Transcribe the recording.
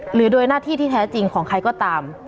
หรือโดยหน้าที่ที่แท้จริงของใครก็ตาม